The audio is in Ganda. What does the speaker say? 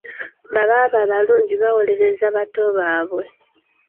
Babaaba abalungi bawolereza bato baabwe.